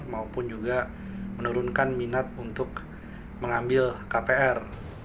maupun juga menurunkan minat untuk mengambil kpr